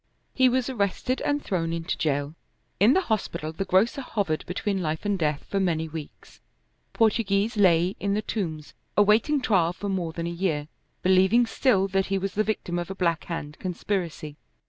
He was arrested and thrown into jail. In the hospital the grocer hovered between life and death for many weeks. Portoghese lay in the Tombs awaiting trial for more than a year, believing still that he was the victim of a Black Hand conspiracy.